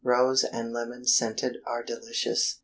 Rose and Lemon scented are delicious.